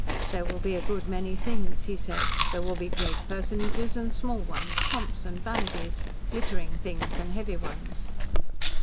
"There will be a good many things," he said; "there will be great personages and small ones, pomps and vanities, glittering things and heavy ones."